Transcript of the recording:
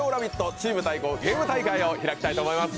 チーム対抗ゲーム大会を開きたいと思います。